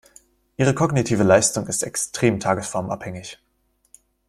Ihre kognitive Leistung ist extrem tagesformabhängig.